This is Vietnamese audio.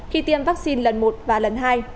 khi tiêm vaccine lần một và lần hai